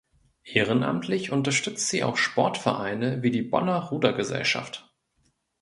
Ehrenamtlich unterstützt sie auch Sportvereine wie die Bonner Ruder-Gesellschaft.